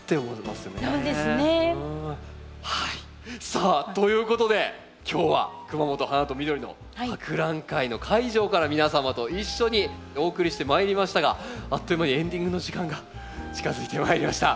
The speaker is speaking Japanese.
さあということで今日は「くまもと花とみどりの博覧会」の会場から皆様と一緒にお送りしてまいりましたがあっという間にエンディングの時間が近づいてまいりました。